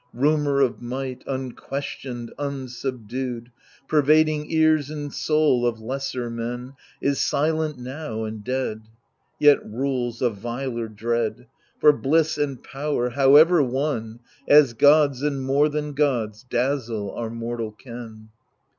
Rumour of might, unquestioned, unsubdued, Pervading ears and soul of lesser men, Is silent now and dead. Yet rules a viler dread ; For bliss and power, however won. As gods, and more than gods, dazzle our mortal ken.